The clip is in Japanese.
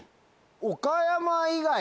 岡山以外。